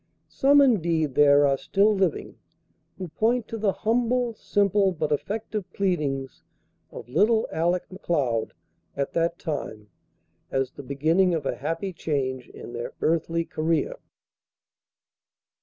Some indeed there are still living, who point to the humble, simple, but effective pleadings of "little Alec Macleod" at that time, as the beginning of a happy change in their earthly career.